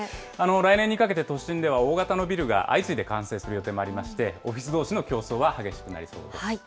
来年にかけて、都心では大型のビルが相次いで完成する予定もありまして、オフィスどうしの競争は激しくなりそうです。